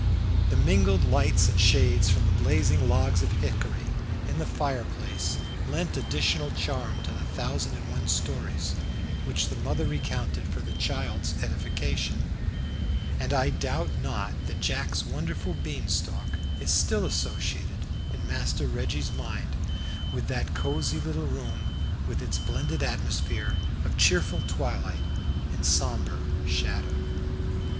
The mingled lights and shades from the blazing logs of hickory in the fireplace lent additional charm to the thousand and one stories which the mother recounted for the child's edification, and I doubt not that Jack's wonderful bean stalk is still associated in Master Reggie's mind with that cosy little room with its blended atmosphere of cheerful twilight and sombre shadow.